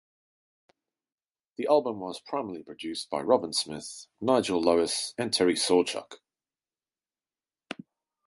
The album was primarily produced by Robin Smith, Nigel Lowis and Terry Sawchuk.